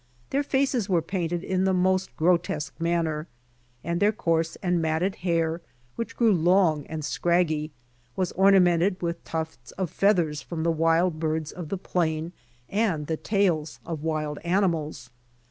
Their faces were painted in the most grotes(]ue manner, and their coarse and matted hair, which grew long and scraggy, was orna mented with tufts of feathers from the wild birds of the plain and the tails of wild animals.